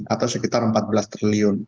atau sekitar empat belas triliun